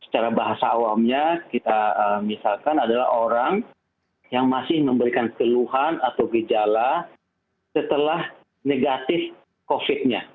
secara bahasa awamnya kita misalkan adalah orang yang masih memberikan keluhan atau gejala setelah negatif covid nya